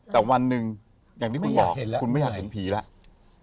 แต่วันหนึ่งอย่างที่คุณบอกคุณไม่อยากเห็นผีแล้ว